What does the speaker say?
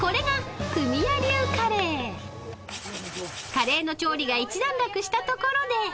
［カレーの調理が一段落したところで］